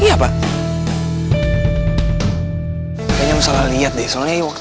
siapa yang harus tanggung jawab